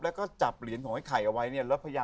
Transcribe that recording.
แล้วก็จับเหรียญของไอ้ไข่เอาไว้เนี่ย